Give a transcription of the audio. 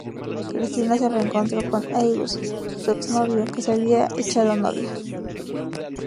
Cristina se reencontró con Agus, su ex-novio, que se había echado novia.